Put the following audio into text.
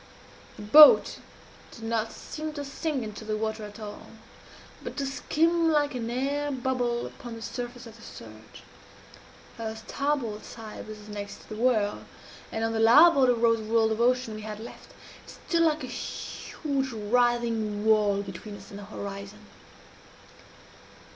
The boat did not seem to sink into the water at all, but to skim like an air bubble upon the surface of the surge. Her starboard side was next the whirl, and on the larboard arose the world of ocean we had left. It stood like a huge writhing wall between us and the horizon.